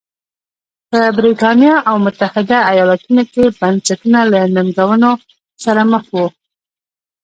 په برېټانیا او متحده ایالتونو کې بنسټونه له ننګونو سره مخ وو.